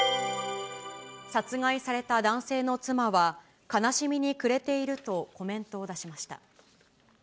殺害された男性の妻は、悲しみに暮れているとコメントを出しました。